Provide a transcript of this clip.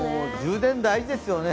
充電、大事ですよね。